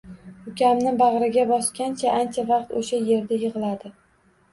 Ukamni bagʻriga bosgancha, ancha vaqt oʻsha yerda yigʻladi.